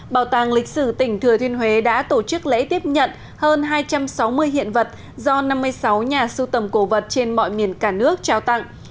bảo tàng lịch sử tỉnh thừa thiên huế đã tổ chức lễ tiếp nhận hơn hai trăm sáu mươi hiện vật do năm mươi sáu nhà sưu tầm cổ vật trên mọi miền cả nước trao tặng